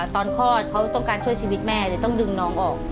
คลอดเขาต้องการช่วยชีวิตแม่เลยต้องดึงน้องออก